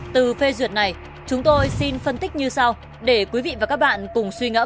từ phê duyệt này chúng tôi xin phân tích như sau để quý vị và các bạn cùng suy ngẫm